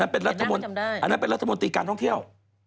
อันนั้นเป็นรัฐมนตรีการท่องเที่ยว